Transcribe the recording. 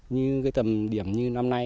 như tầm điểm như năm nay